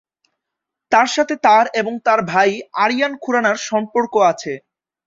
তার সাথে তার এবং তাঁর ভাই আরিয়ান খুরানা-র সম্পর্ক আছে।